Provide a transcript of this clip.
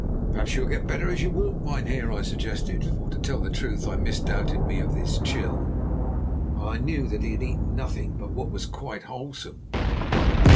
"Perhaps you will get better as you walk, mynheer," I suggested, for, to tell the truth, I misdoubted me of this chill, and knew that he had eaten nothing but what was quite wholesome.